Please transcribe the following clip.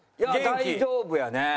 大丈夫やね。